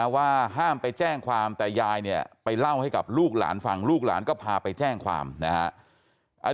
ว่าห้ามไปแจ้งความแต่ยายเนี่ยไปเล่าให้กับลูกหลานฟังลูกหลานก็พาไปแจ้งความนะฮะ